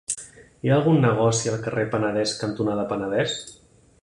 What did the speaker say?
Hi ha algun negoci al carrer Penedès cantonada Penedès?